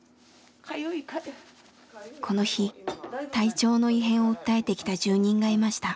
この日体調の異変を訴えてきた住人がいました。